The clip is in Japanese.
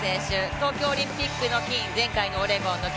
東京オリンピックの金、前回のオレゴンの金。